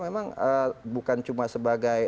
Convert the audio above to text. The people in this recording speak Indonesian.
memang bukan cuma sebagai